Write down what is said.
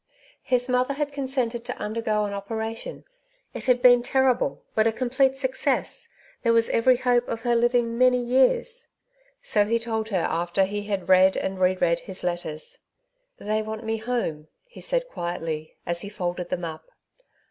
^^ His mother had consented to undergo an opera tion. It had been terrible, but a complete success. Saved as by Fire. 227 There was every hope of her living many years/' So he told her afber he had read and re read his letters. " They want me home,^' he said quietly, as he folded them up.